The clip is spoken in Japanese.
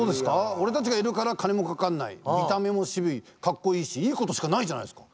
俺たちがいるから金もかかんない見た目も渋いかっこいいしいいことしかないじゃないですか。